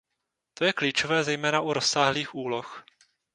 To je klíčové zejména u rozsáhlých úloh.